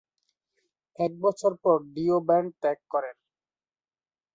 এক বছর পর ডিও ব্যান্ড ত্যাগ করেন।